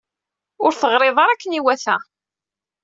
Ur t-ɣṛiɣ ara akken iwata.